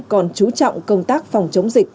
còn chú trọng công tác phòng chống dịch